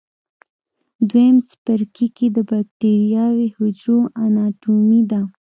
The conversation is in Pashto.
دویم څپرکی د بکټریاوي حجرو اناټومي ده.